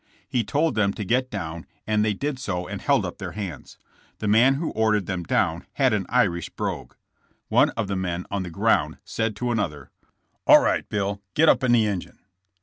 He told them to get down and they did so and held up their hands. The man who ordered them down had an Irish brogue. One of the men on the ground said to another: *' 'All right. Bill, get up in the engine.'